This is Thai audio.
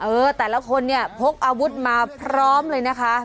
เออแต่ละคนเนี่ยพกอาวุธมาพร้อมเลยนะคะ